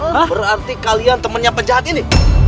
berarti kalian temennya penjahat ini